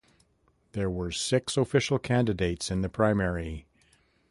There were six official candidates in the primary.